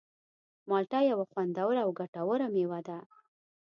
مالټه یوه خوندوره او ګټوره مېوه ده.